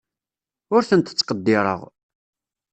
Ur tent-ttqeddireɣ.